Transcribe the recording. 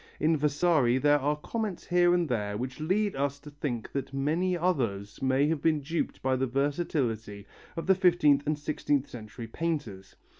In Vasari there are comments here and there which lead us to think that many others may have been duped by the versatility of the fifteenth and sixteenth century painters.